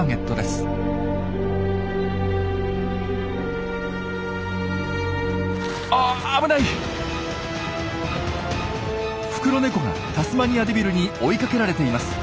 フクロネコがタスマニアデビルに追いかけられています。